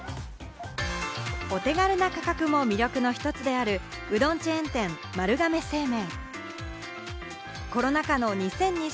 お手軽な価格も魅力の一つのうどんチェーン店・丸亀製麺。